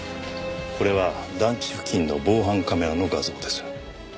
これは団地付近の防犯カメラの画像です。